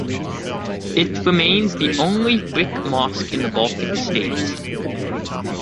It remains the only brick mosque in the Baltic states.